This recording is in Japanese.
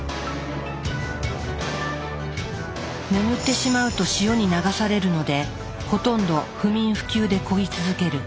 眠ってしまうと潮に流されるのでほとんど不眠不休でこぎ続ける。